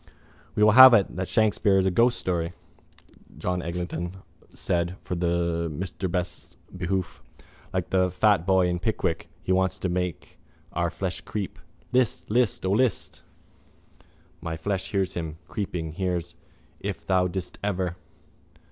—He will have it that Hamlet is a ghoststory, John Eglinton said for Mr Best's behoof. Like the fat boy in Pickwick he wants to make our flesh creep. List! List! O List! My flesh hears him: creeping, hears. If thou didst ever...